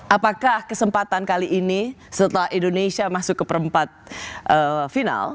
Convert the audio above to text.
apakah kesempatan kali ini setelah indonesia masuk ke perempat final